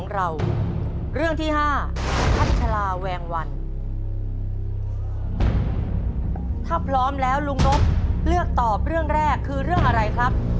เรียกตอบเรื่องแรกคือเรื่องอะไรครับ